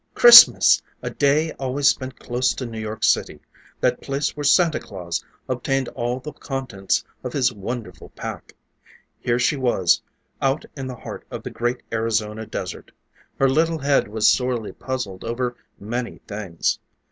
Christmas! a day always spent close to New York City, that place where Santa Claus obtained all the contents of his wonderful pack. Here she was, out in the heart of the great Arizona Desert. Her little head was sorely puzzled over many things.